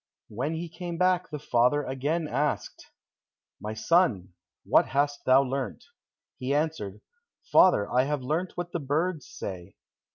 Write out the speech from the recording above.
When he came back the father again asked, "My son, what hast thou learnt?" He answered, "Father, I have learnt what the birds say."